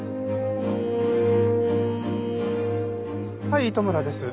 はい糸村です。